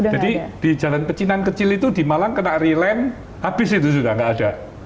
jadi di jalan kecil kecil itu di malang kena releng habis itu sudah nggak ada